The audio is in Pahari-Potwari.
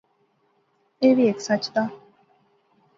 ایہہ وی ہیک سچ دا